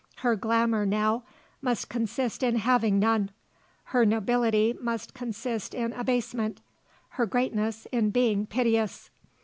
Her glamour, now, must consist in having none; her nobility must consist in abasement, her greatness in being piteous.